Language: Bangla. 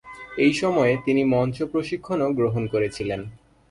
এই সময়ে তিনি মঞ্চ প্রশিক্ষণও গ্রহণ করেছিলেন।